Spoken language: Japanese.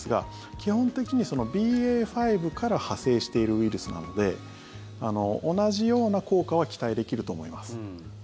基本的にＢＡ．５から派生しているウイルスなので同じような効果は期待できると思います。